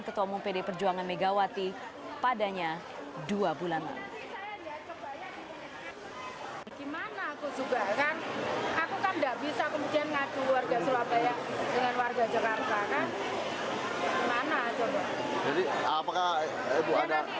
ketua mumpede perjuangan megawati padanya dua bulan lalu